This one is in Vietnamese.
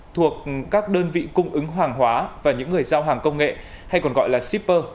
thuộc các đơn vị cung ứng hàng hóa và những người giao hàng công nghệ hay còn gọi là shipper